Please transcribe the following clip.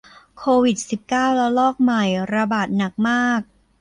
โควิดสิบเก้าระลอกใหม่ระบาดหนักมาก